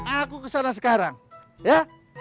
aku kesana sekarang ya